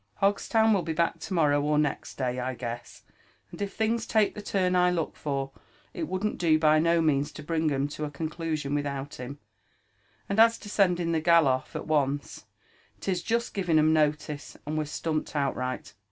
Hogstown will be back to morrow or next (ky, I guess ; and if things take the turn I look for, it wouldn't do by no means to bring 'em to a •conclusion without him : and as to sending the gal off at once» 'tis just giving 'em notice, and we're stumped outright.